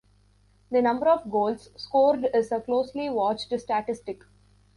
The number of goals scored is a closely watched statistic.